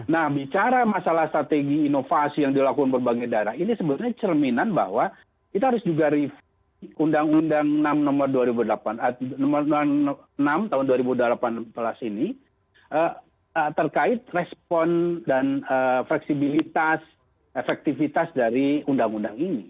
nah bicara masalah strategi inovasi yang dilakukan berbagai daerah ini sebetulnya cerminan bahwa kita harus juga review undang undang nomor dua enam tahun dua ribu delapan belas ini terkait respon dan fleksibilitas efektivitas dari undang undang ini